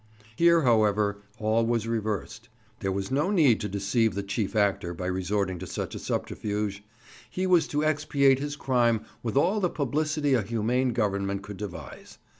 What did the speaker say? Here, however, all was reversed; there was no need to deceive the chief actor by resorting to such a subterfuge: he was to expiate his crime with all the publicity a humane government could devise.